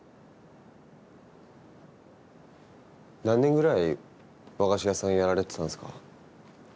何年ぐらい、和菓子屋さんやられてたんですか？